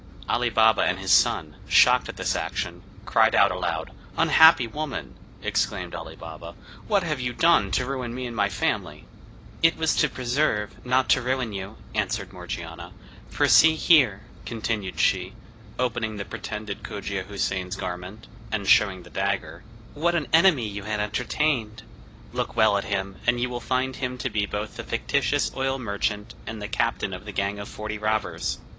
Ali Baba and his son, shocked at this action, cried out aloud. "Unhappy woman!" exclaimed Ali Baba, "what have you done, to ruin me and my family?" "It was to preserve, not to ruin you," answered Morgiana; "for see here," continued she, opening the pretended Cogia Houssain's garment, and showing the dagger, "what an enemy you had entertained! Look well at him, and you will find him to be both the fictitious oil merchant, and the captain of the gang of forty robbers.